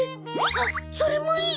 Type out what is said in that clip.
あっそれもいい！